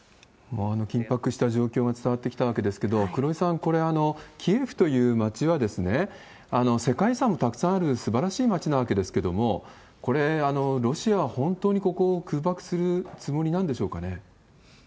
緊迫した状況が伝わってきたわけですけど、黒井さん、これ、キエフという街は、世界遺産もたくさんあるすばらしい街なわけですけれども、これ、ロシアは本当にここを空爆するつもりなんでしょうかね？